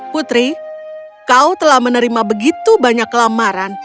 putri kau telah menerima begitu banyak lamaran